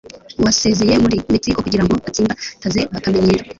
wasezeye muri mexico kugira ngo atsimbataze akamenyero